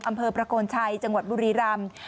อำเภอประโกนชัยจังหวัดบุรีรำ